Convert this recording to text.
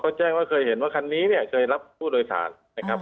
เขาแจ้งว่าเคยเห็นว่าคันนี้เนี่ยเคยรับผู้โดยสารนะครับ